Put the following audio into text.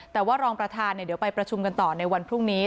แต่ว่ารองประธานเดี๋ยวไปประชุมกันต่อในวันพรุ่งนี้